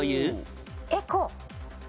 エコ。